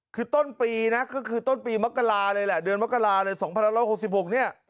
คือต้นปีนะก็คือต้นปีมกราเลยแหละเดือนมกราเลย๒๑๖๖เนี่ย